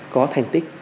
có thành tích